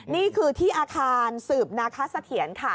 นี่คือที่อาคารสืบนาคสะเทียนค่ะ